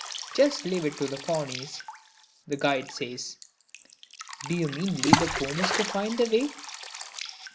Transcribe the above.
"Just leave it to the pownies," the guide says. "Do you mean leave the ponies to find the way?"